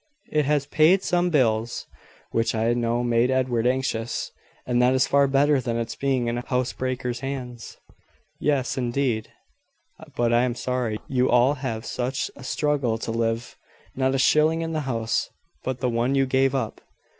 It has paid some bills which I know made Edward anxious; and that is far better than its being in a housebreaker's hands." "Yes, indeed: but I am sorry you all have such a struggle to live. Not a shilling in the house but the one you gave up!"